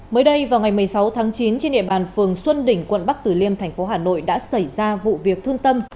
mới đây vào ngày một mươi sáu tháng chín trên địa bàn phường xuân đỉnh quận bắc tử liêm thành phố hà nội đã xảy ra vụ việc thương tâm